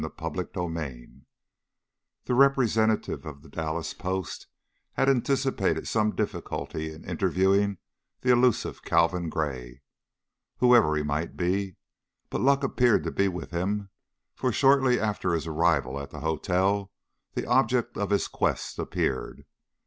CHAPTER II The representative of the Dallas Post had anticipated some difficulty in interviewing the elusive Calvin Gray whoever he might be but luck appeared to be with him, for shortly after his arrival at the hotel the object of his quest appeared.